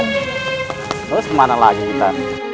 lo harus kemana lagi kita